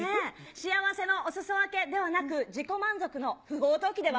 幸せのおすそ分けではなく、自己満足の不法投棄では？